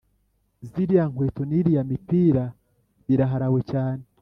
Ziriya nkweto niriya mipira biraharawe cyane